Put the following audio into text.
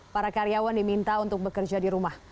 para karyawan diminta untuk bekerja di rumah